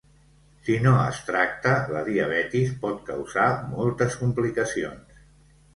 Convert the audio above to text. Si no es tracta, la diabetis pot causar moltes complicacions.